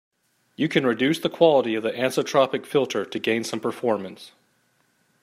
You can reduce the quality of the anisotropic filter to gain some performance.